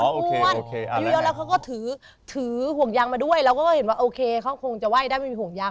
อ้วนอายุเยอะแล้วเขาก็ถือถือห่วงยางมาด้วยเราก็เห็นว่าโอเคเขาคงจะไห้ได้ไม่มีห่วงยาง